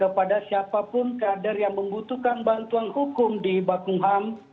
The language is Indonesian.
kepada siapapun kader yang membutuhkan bantuan hukum di bakungham